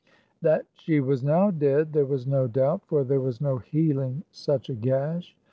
That she was now dead there was no doubt; for there was no healing such a gash.